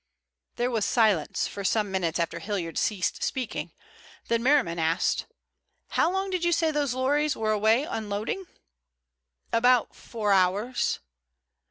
There was silence for some minutes after Hilliard ceased speaking, then Merriman asked: "How long did you say those lorries were away unloading?" "About four hours."